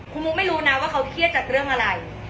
คุณมุกไม่รู้นะว่าเขาเครียดจากเรื่องอะไร